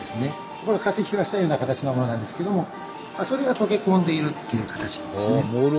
これ化石化したような形のものなんですけどもそれが溶け込んでいるっていう形ですね。